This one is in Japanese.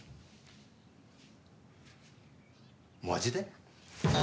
マジで？